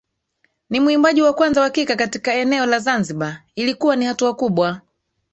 ni mwimbaji wa kwanza wa kike katika eneo la Zanzibar Ilikuwa ni hatua kubwa